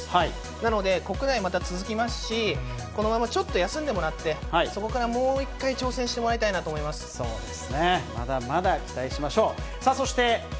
なので、国内、また続きますし、このままちょっと休んでもらって、そこからもう一回挑戦してもらいたいと思います。